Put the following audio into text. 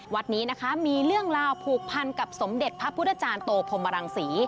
วัดนี้นะคะมีเรื่องราวผูกพันกับสมเด็จพระพุทธจารย์โตพรมรังศรี